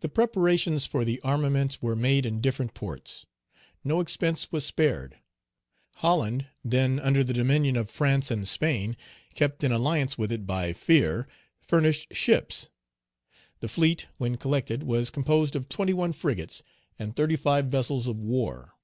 The preparations for the armament were made in different ports. No expense was spared. Holland, then under the domination of France and Spain, kept in alliance with it by Page 157 fear, furnished ships. The fleet, when collected, was composed of twenty one frigates, and thirty five vessels of war.